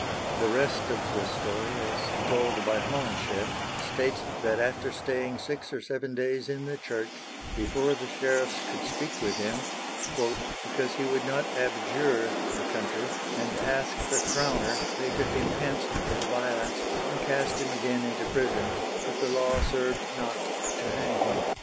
The rest of the story, as told by Holinshed, states that after staying six or seven days in the church, before the sheriffs could speak with him, "because he would not abjure (the country) and asked a crowner, they took him hence, with violence, and cast him again into prison, but the law served not to hang him."